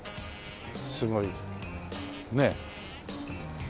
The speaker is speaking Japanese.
すごいねえ。